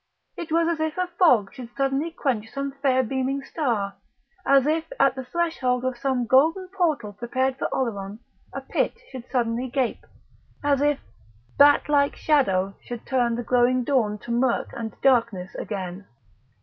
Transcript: It was as if a fog should suddenly quench some fair beaming star, as if at the threshold of some golden portal prepared for Oleron a pit should suddenly gape, as if a bat like shadow should turn the growing dawn to mirk and darkness again....